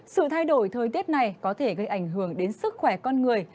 sự thay đổi thời tiết này có thể gây ảnh hưởng đến sức khỏe con người